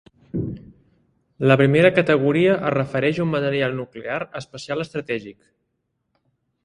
La Primera Categoria es refereix a un material nuclear especial estratègic.